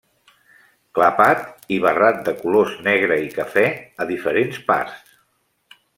Clapat i barrat de colors negre i cafè a diferents parts.